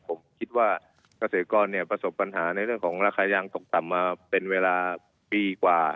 ผมคิดว่าเกษตรกรเนี่ยประสบปัญหาในเรื่องของราคายางตกต่ำมาเป็นเวลาปีกว่า